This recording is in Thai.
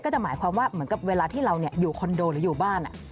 จะหมายความว่าเหมือนกับเวลาที่เราอยู่คอนโดหรืออยู่บ้าน